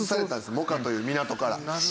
モカという港から。